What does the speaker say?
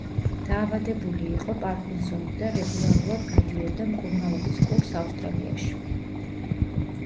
დაავადებული იყო პარკინსონით და რეგულარულად გადიოდა მკურნალობის კურსს ავსტრალიაში.